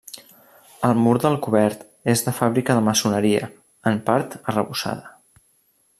El mur del cobert és de fàbrica de maçoneria, en part arrebossada.